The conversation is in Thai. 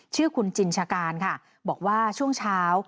ชื่อคุณจินชการค่ะบอกว่าช่วงเช้า